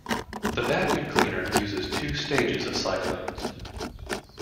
The vacuum cleaner uses two stages of cyclones.